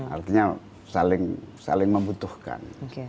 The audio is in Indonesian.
artinya saling membutuhkan